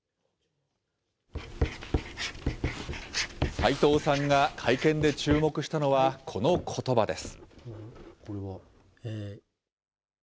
齋藤さんが会見で注目したのは、このことばです。